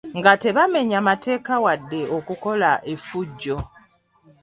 Nga tebamenya mateeka wadde okukola efujjo.